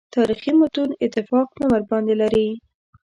تاریخي متون اتفاق نه ورباندې لري.